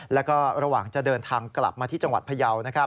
แล้วก็ระหว่างจะเดินทางกลับมาที่จังหวัดพยาว